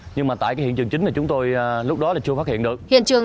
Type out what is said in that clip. nhưng mà tại cái hiện trường chính thì chúng tôi lúc đó là chưa phát hiện được